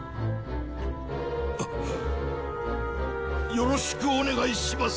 よろしくお願いします！